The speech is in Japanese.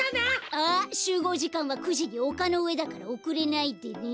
あっしゅうごうじかんは９じにおかのうえだからおくれないでね。